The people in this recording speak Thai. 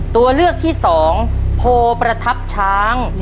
ตัวเลือกที่สองโพประทับช้าง